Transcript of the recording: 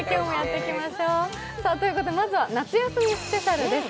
まずは夏休みスペシャルです。